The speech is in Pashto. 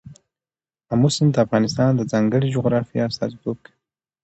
آمو سیند د افغانستان د ځانګړي جغرافیه استازیتوب کوي.